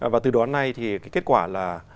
và từ đoán nay thì kết quả là